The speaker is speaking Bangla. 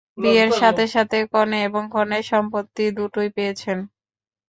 বিয়ের সাথে সাথে কনে এবং কনের সম্পত্তি দুটোই পেয়েছে!